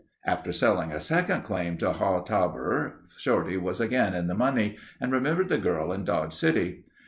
After selling a second claim to Haw Tabor, Shorty was again in the money and remembered the girl in Dodge City.